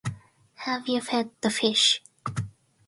Have You Fed the Fish?